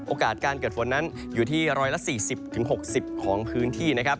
โอกาสการเกิดฝนนั้นอยู่ที่๑๔๐๖๐ของพื้นที่นะครับ